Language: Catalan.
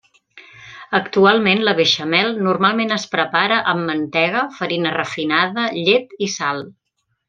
Actualment la beixamel normalment es prepara amb mantega, farina refinada, llet, i sal.